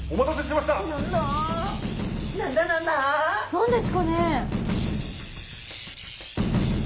何ですかね？